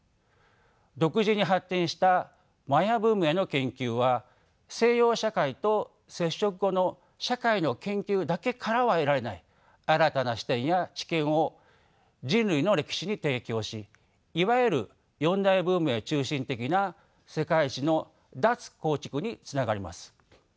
独自に発展したマヤ文明の研究は西洋社会と接触後の社会の研究だけからは得られない新たな視点や知見を人類の歴史に提供しいわゆる四大文明中心的な世界史の脱構築につながります。